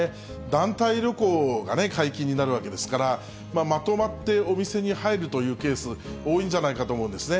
団体旅行がね、解禁になるわけですから、まとまってお店に入るというケース、多いんじゃないかと思うんですね。